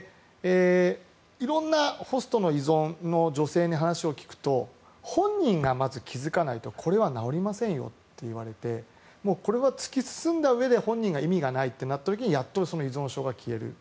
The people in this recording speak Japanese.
色んなホストの依存の女性に話を聞くと本人がまず、気付かないとこれは治りませんよと言われてこれは突き進んだうえで本人が意味がないとなった時にやっと依存症が消える。